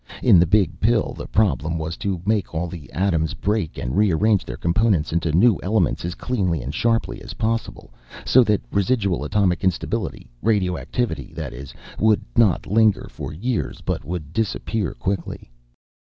In the Big Pill, the problem was to make all the atoms break, and rearrange their components into new elements as cleanly and sharply as possible, so that residual atomic instability radioactivity, that is would not linger for years, but would disappear quickly.